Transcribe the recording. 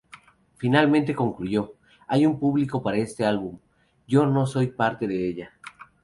Finalmente concluyó: "Hay un público para este álbum, yo no soy parte de ella.